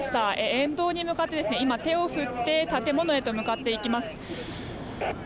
沿道に向かって手を振って建物へと向かっていきます。